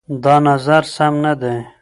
دا نظر سم نه دی.